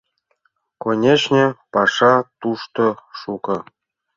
Конешне, паша тушто шуко.